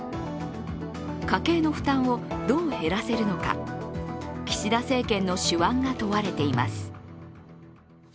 家計の負担をどう減らせるのか、岸田政権の手腕が問われています。